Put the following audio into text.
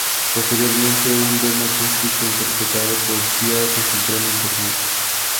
Posteriormente, un demo acústico interpretado por Sia se filtró en Internet.